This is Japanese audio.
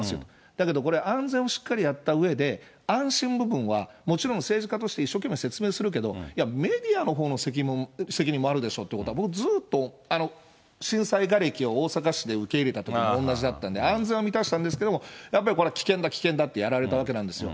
だけど、これ、安全をしっかりやったうえで、安心部分は、もちろん政治家として一生懸命説明するけど、いや、メディアのほうの責任も、責任もあるでしょうってことは、僕はずーっと、震災がれきを大阪市で受け入れたときも同じだったんで、安全は満たしたんですけど、やっぱりこれは危険だ、危険だってやられたわけなんですよ。